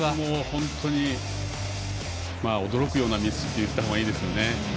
本当に驚くようなミスって言ったほうがいいですよね。